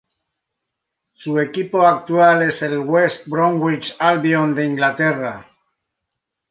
Su equipo actual es el West Bromwich Albion de Inglaterra.